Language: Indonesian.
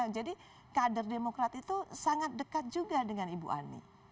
jadi kader demokrat itu sangat dekat juga dengan ibu aniudoyono